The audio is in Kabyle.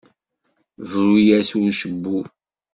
Bru-as i ucebbub.